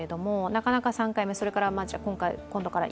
なかなか３回目、今回今度から